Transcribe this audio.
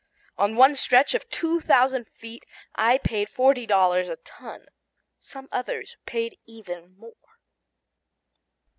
On one stretch of two thousand feet, I paid forty dollars a ton. Some others paid even more.